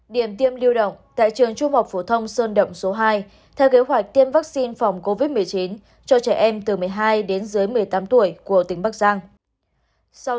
điểm tiêm lưu động tại trường trung học phổ thông sơn động số hai